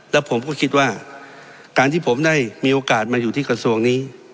แล้วผมก็คิดว่าการที่ผมได้มีโอกาสมาอยู่ที่กระทรวงนี้